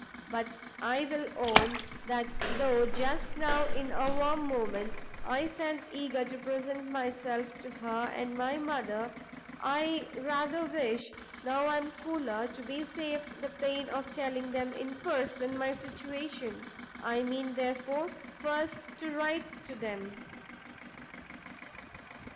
But I will own, that though, just now, in a warm moment, I felt eager to present myself to her and my mother, I rather wish, now I am cooler, to be saved the pain of telling them in person my situation. I mean, therefore, first to write to them."